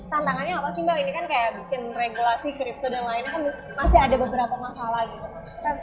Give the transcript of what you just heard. tantangannya apa sih mbak ini kan kayak bikin regulasi kripto dan lainnya kan masih ada beberapa masalah gitu